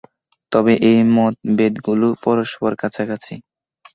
তবে এ মতভেদগুলো পরস্পর কাছাকাছি।